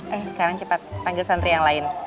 eh sekarang cepat panggil santri yang lain